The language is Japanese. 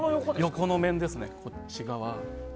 横の面ですね、こっち側。